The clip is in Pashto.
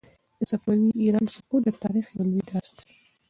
د صفوي ایران سقوط د تاریخ یو لوی درس دی.